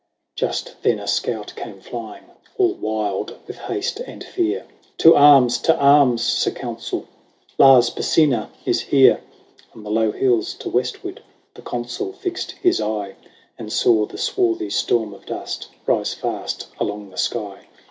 XX, Just then a scout came flying, All wild with haste and fear :" To arms ! to arms ! Sir Consul ; Lars Porsena is here." On the low hills to westward The Consul fixed his eye, And saw the swarthy storm of dust Rise fast along the sky.